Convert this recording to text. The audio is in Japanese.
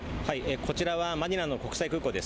こちらはマニラの国際空港です。